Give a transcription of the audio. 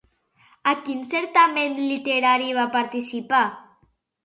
A quin certamen literari va participar?